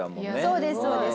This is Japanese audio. そうですそうです。